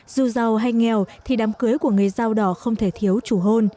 dù giàu hay nghèo thì đám cưới của người dao đỏ không thể thiếu chủ hơn